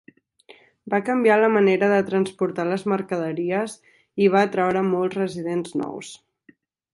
Va canviar la manera de transportar les mercaderies i va atraure molts residents nous.